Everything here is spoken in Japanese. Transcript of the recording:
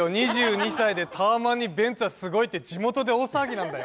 ２２歳でタワマンにベンツはすごいって地元で大騒ぎなんだよ